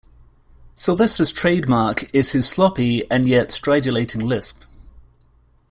Sylvester's trademark is his sloppy and yet stridulating lisp.